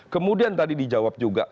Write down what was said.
kemudian tadi dijawab juga